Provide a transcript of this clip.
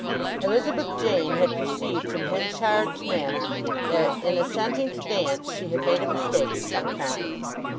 Elizabeth Jane had perceived from Henchard's manner that in assenting to dance she had made a mistake of some kind.